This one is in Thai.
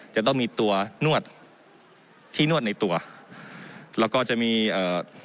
จะต้องมีตัวนวดที่นวดในตัวแล้วก็จะมีเอ่อ